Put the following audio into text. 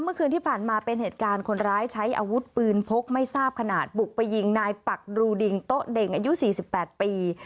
เมื่อคืนที่ผ่านมาเป็นเหตุการณ์คนร้ายใช้อาวุธปืนพกไม่ทราบขนาดบุกไปยิงนายปักรูดิงโต๊ะเด่งอายุ๔๘ปี